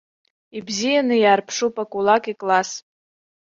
Ибзианы иаарԥшуп акулак икласс.